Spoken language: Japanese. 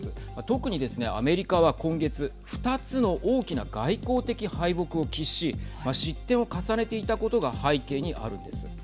特にですね、アメリカは今月２つの大きな外交的敗北を喫し失点を重ねていたことが背景にあるんです。